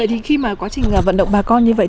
thì khi mà quá trình vận động bà con như vậy